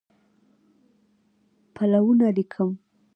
پلونه لیکم